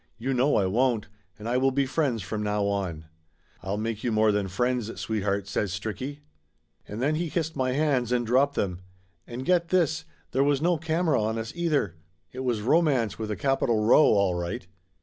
"You know I won't. And I will be friends from now on." "I'll make you more than friends, sweetheart !" says Stricky. And then he kissed my hands and dropped them. And get this there was no camera on us, either! It was romance with a capital Row, all right!